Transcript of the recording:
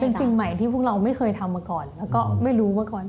เป็นสิ่งใหม่ที่พวกเราไม่เคยทำมาก่อนแล้วก็ไม่รู้มาก่อน